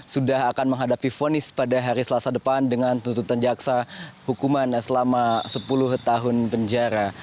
sudah akan menghadapi fonis pada hari selasa depan dengan tuntutan jaksa hukuman selama sepuluh tahun penjara